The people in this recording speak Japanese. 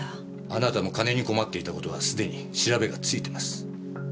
あなたも金に困っていた事はすでに調べがついてます。